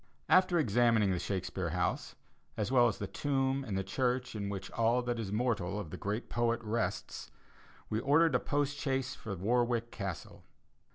After examining the Shakespeare House, as well as the tomb and the church in which all that is mortal of the great poet rests, we ordered a post chaise for Warwick Castle.